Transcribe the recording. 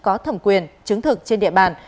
có thẩm quyền chứng thực trên địa bàn